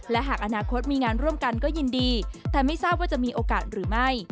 และหากอนาคตมีงานร่วมกันก็ยินดีแต่ไม่ทราบว่าจะมีโอกาสหรือไม่